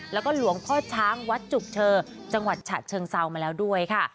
แล้วก็หลวงพ่อช้างวัดจุกเชอจังหวัดฉะเชิงเซามาแล้วด้วยค่ะ